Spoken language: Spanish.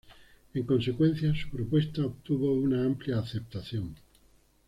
En consecuencia, su propuesta obtuvo una amplia aceptación.